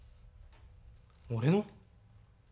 俺の？